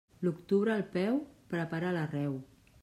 L'octubre al peu, prepara l'arreu.